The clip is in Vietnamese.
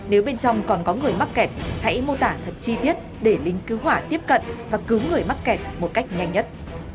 nếu bên trong còn có người mắc kẹt hãy mô tả thật chi tiết để lính cứu hỏa tiếp cận và cứu người mắc kẹt một cách nhanh nhất